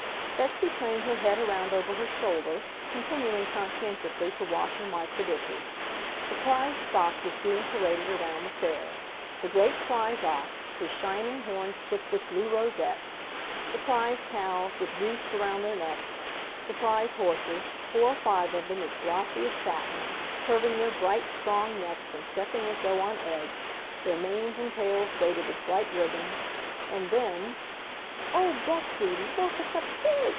Betsy craned her head around over her shoulder, continuing conscientiously to wash and wipe the dishes. The prize stock was being paraded around the Fair; the great prize ox, his shining horns tipped with blue rosettes; the prize cows, with wreaths around their necks; the prize horses, four or five of them as glossy as satin, curving their bright, strong necks and stepping as though on eggs, their manes and tails braided with bright ribbon; and then, "Oh, Betsy, LOOK at the pig!"